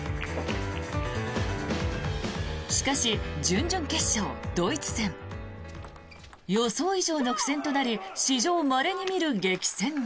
しかし、準々決勝ドイツ戦。予想以上の苦戦となり史上まれに見る激戦に。